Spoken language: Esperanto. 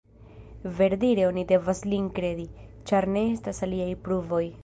Verdire oni devas lin kredi, ĉar ne estas aliaj pruvoj.